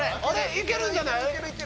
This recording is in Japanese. いけるんじゃない？